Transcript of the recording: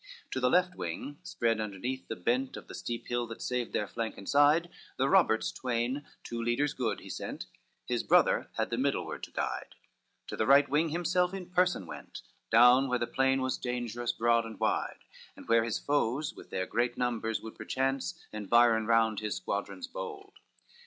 IX To the left wing, spread underneath the bent Of the steep hill that saved their flank and side, The Roberts twain, two leaders good, he sent; His brother had the middle ward to guide; To the right wing himself in person went Down, where the plain was dangerous, broad and wide, And where his foes with their great numbers would Perchance environ round his squadrons bold.